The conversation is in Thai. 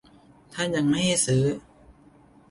ถ้ายังไม่ให้ซื้อ